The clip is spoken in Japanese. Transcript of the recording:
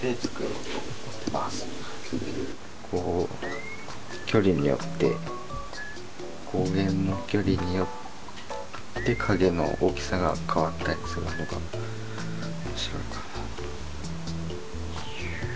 こう距離によって光源の距離によって影の大きさが変わったりするのが面白いかなと。